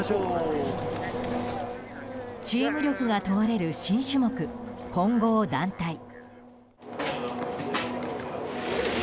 チーム力が問われる新種目、混合団体。